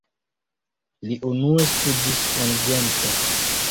Li unue studis en Gento.